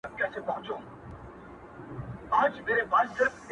تندي ته مي سجدې راځي چي یاد کړمه جانان!